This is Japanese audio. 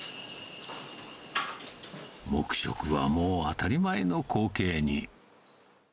黙食はもう当たり前の光景に。